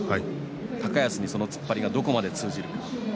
高安にその突っ張りがどこまで通じるか。